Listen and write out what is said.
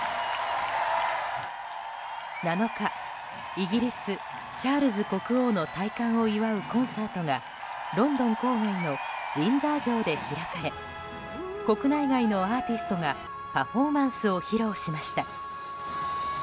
７日、イギリスチャールズ国王の戴冠を祝うコンサートがロンドン郊外のウィンザー城で開かれ国内外のアーティストがパフォーマンスを披露しました。